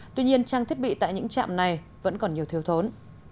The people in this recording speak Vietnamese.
tuy nhiên trang thiết bị tại những trạm này vẫn còn nhiều thiếu thốn